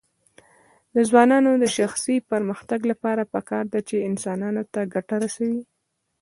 د ځوانانو د شخصي پرمختګ لپاره پکار ده چې انسانانو ته ګټه رسوي.